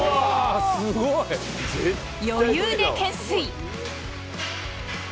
余裕で懸垂。